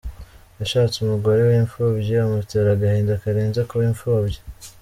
Yashatse umugore w’imfubyi amutera agahinda karenze kuba imfubyi.